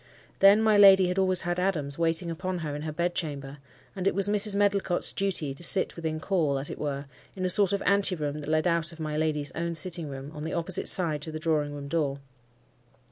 Then my lady had always Adams waiting upon her in her bed chamber; and it was Mrs. Medlicott's duty to sit within call, as it were, in a sort of anteroom that led out of my lady's own sitting room, on the opposite side to the drawing room door.